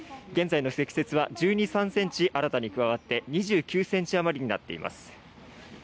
現在の積雪は１２、３センチ、新たに加わって２９センチ余りになっています。